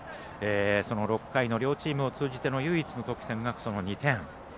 その６回の両チームを通じての唯一の得点がその２点。